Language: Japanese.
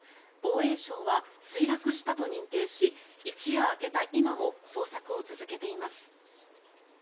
防衛省は墜落したと認定し一夜明けや今も捜索を続けています。